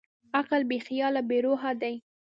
عقل بېخیاله بېروحه دی.